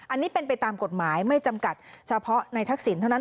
อันนี้เป็นไปตามกฎหมายไม่จำกัดเฉพาะในทักษิณเท่านั้น